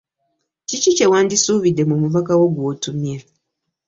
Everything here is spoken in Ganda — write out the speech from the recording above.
Kiki kye wandisuubidde mu mubaka wo gw'otumye?